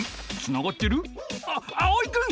あっあおいくん！